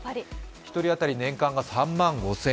１人当たり年間が３万５０００円。